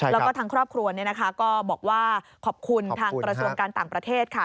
แล้วก็ทางครอบครัวก็บอกว่าขอบคุณทางกระทรวงการต่างประเทศค่ะ